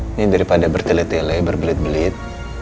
ini daripada bertele tele berbelit belit